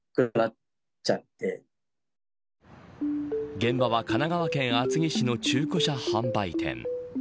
現場は神奈川県厚木市の中古車販売店。